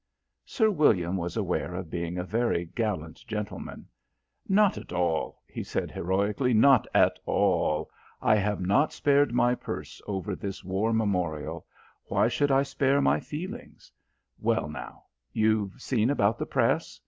Sir William was aware of being a very gallant gentleman. "Not at all," he said heroically, "not at all. I have not spared my purse over this War Memorial. Why should I spare my feelings? Well, now, you've seen about the Press?"